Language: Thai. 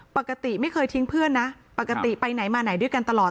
ปกติไม่เคยทิ้งเพื่อนนะปกติไปไหนมาไหนด้วยกันตลอด